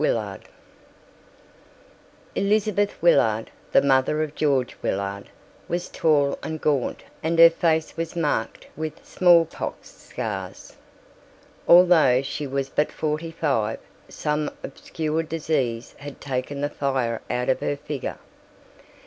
MOTHER Elizabeth Willard, the mother of George Willard, was tall and gaunt and her face was marked with smallpox scars. Although she was but forty five, some obscure disease had taken the fire out of her figure.